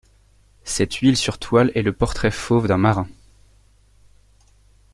Cette huile sur toile est le portrait fauve d'un marin.